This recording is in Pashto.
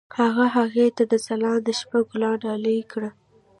هغه هغې ته د ځلانده شپه ګلان ډالۍ هم کړل.